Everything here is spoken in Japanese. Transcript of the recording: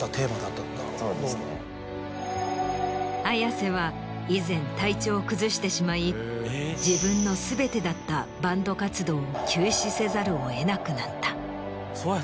Ａｙａｓｅは以前体調を崩してしまい自分の全てだったバンド活動を休止せざるを得なくなった。